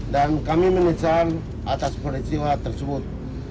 dan kami menyesal atas peristiwa tersebut